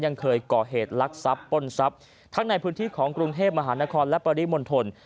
ยังเคยก่อเหตุลักษัพป้นทรัพย์ทั้งในพื้นที่ของกรุงเทพมหานครและปริมณฑล